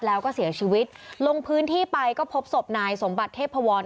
แล้วก็เสียชีวิตลงพื้นที่ไปก็พบศพนายสมบัติเทพวร